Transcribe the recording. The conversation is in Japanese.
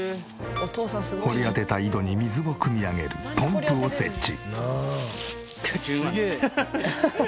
掘り当てた井戸に水をくみ上げるポンプを設置。